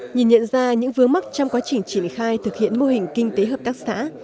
nhìn nhận ra những vướng mắc trong quá trình triển khai thực hiện mô hình kinh tế hợp tác xã